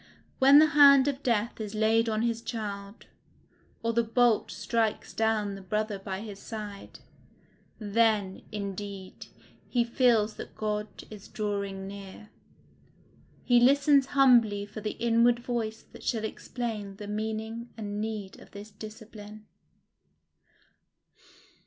When the hand of death is laid on his child, or the bolt strikes down the brother by his side, then, indeed, he feels that God is drawing near; he listens humbly for the inward voice that shall explain the meaning and need of this discipline.